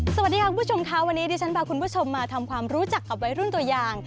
สวัสดีค่ะคุณผู้ชมค่ะวันนี้ดิฉันพาคุณผู้ชมมาทำความรู้จักกับวัยรุ่นตัวอย่าง